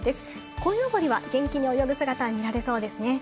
こいのぼりが元気に泳ぐ姿が見られそうですね。